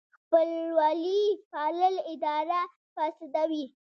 خپلوي پالل اداره فاسدوي.